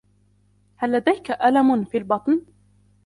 هل لديك ألم في البطن؟